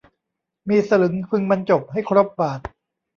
มีสลึงพึงบรรจบให้ครบบาท